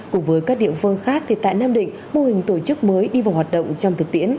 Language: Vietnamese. cùng với các địa phương khác thì tại nam định mô hình tổ chức mới đi vào hoạt động trong thực tiễn